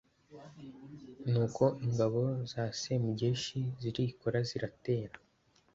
nuko ingabo za semugeshi zirikora ziratera;